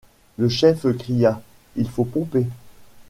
Le chef cria :— Il faut pomper.